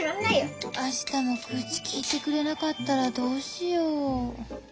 明日も口きいてくれなかったらどうしよう。